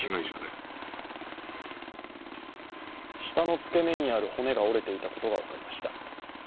舌のつけ根にある骨が折れていたことが分かりました。